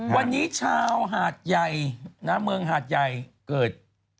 วันนี้ชาวหาดใหญ่นะเมืองหาดใหญ่เกิด